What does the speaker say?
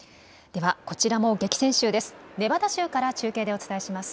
ではこちらも激戦州です。